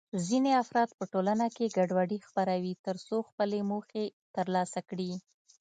ځینې افراد په ټولنه کې ګډوډي خپروي ترڅو خپلې موخې ترلاسه کړي.